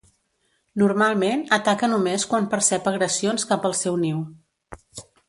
Normalment ataca només quan percep agressions cap al seu niu.